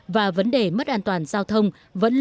và vấn đề mất an toàn giao thông vẫn